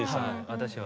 私は。